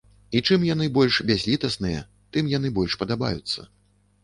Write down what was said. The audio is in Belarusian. І чым яны больш бязлітасныя, тым яны больш падабаюцца.